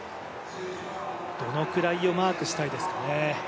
どのくらいをマークしたいですかね。